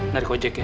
narik ojek ya